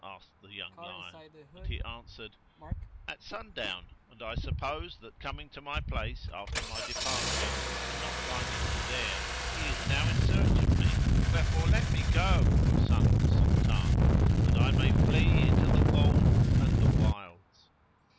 asked the young lion; and he answered, 'At sundown, and I suppose that coming to my place after my departure and not finding me there, he is now in search of me: wherefore let me go, O son of the Sultan, that I may flee into the wolds and the wilds.'